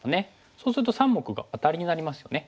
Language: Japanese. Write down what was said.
そうすると３目がアタリになりますよね。